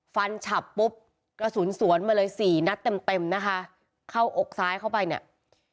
ฉับปุ๊บกระสุนสวนมาเลยสี่นัดเต็มเต็มนะคะเข้าอกซ้ายเข้าไปเนี่ย